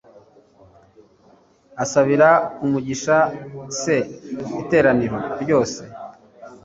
asabira umugisha s iteraniro ryose